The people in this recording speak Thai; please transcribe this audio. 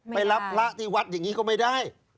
ไปรับพระที่วัดอย่างนี้ก็ไม่ได้